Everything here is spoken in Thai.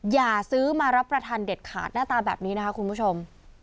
อย่าซื้อมารับประทานเด็ดขาดหน้าตาแบบนี้นะคะคุณผู้ชม